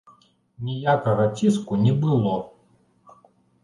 Ніякага ціску не было.